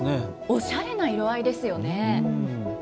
おしゃれな色合いですよね。